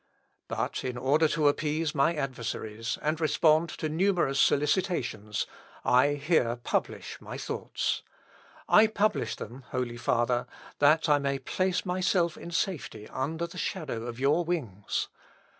"But in order to appease my adversaries, and respond to numerous solicitations, I here publish my thoughts. I publish them, Holy Father, that I may place myself in safety under the shadow of your wings.